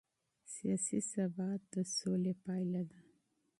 سیاسي ثبات د سولې نتیجه ده